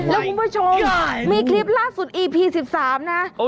แล้วคุณผู้ชมมีคลิปล่าสุดอีพี๑๓นะ